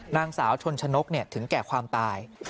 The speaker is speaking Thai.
นางสาวชนชนกถึงแก่ความตาย